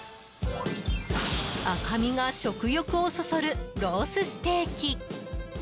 赤身が食欲をそそるロースステーキ。